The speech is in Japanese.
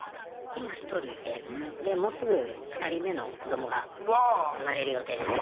今１人いてでもうすぐ２人目の子どもが生まれる予定ですね。